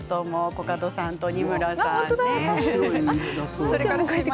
コカドさんと仁村さん。